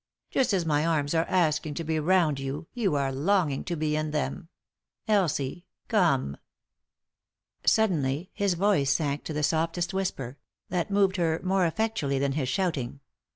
Just as my arms are asking to be round you, you are longing to be in them— Elsie— come 1 " Suddenly his voice sank to the softest whisper— that moved her more effectually than his shouting.